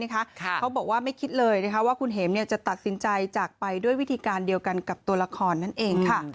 เขาบอกว่าไม่คิดเลยว่าคุณเห็มจะตัดสินใจจากไปด้วยวิธีการเดียวกันกับตัวละครนั่นเองค่ะ